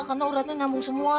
karena uratnya nyambung semua